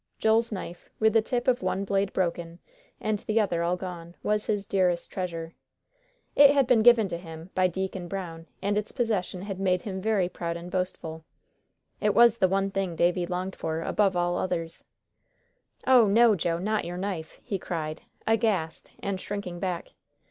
Joel's knife, with the tip of one blade broken, and the other all gone, was his dearest treasure. It had been given to him by Deacon Brown, and its possession had made him very proud and boastful. It was the one thing Davie longed for, above all others. "Oh, no, Joe, not your knife!" he cried, aghast, and shrinking back.